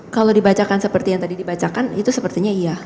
kalau dibacakan seperti yang tadi dibacakan itu sepertinya iya